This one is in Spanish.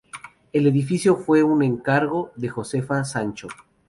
El edificio fue un encargo de Josefa Sancho.